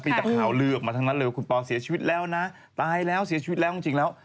มีแต่ข่าวลือออกมาทั้งนั้นเลยว่าคุณปอเสียชีวิตแล้วนะตายแล้วเสียชีวิตแล้วจริงแล้ว